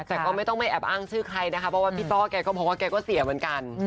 แต่ก็ไม่ต้องไปแอบอ้างชื่อใครนะคะเพราะว่าพี่ต้อแกก็บอกว่าแกก็เสียเหมือนกัน